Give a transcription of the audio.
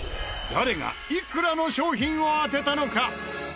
誰がいくらの商品を当てたのか？